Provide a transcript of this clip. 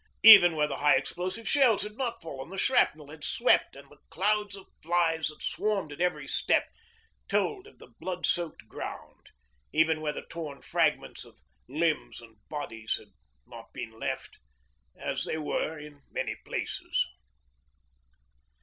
Even where the high explosive shells had not fallen the shrapnel had swept and the clouds of flies that swarmed at every step told of the blood soaked ground, even where the torn fragments of limbs and bodies had not been left, as they were in many places.